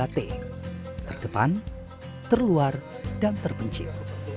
terdepan terluar dan terpencil